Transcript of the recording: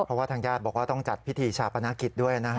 เพราะว่าทางญาติบอกว่าต้องจัดพิธีชาปนกิจด้วยนะฮะ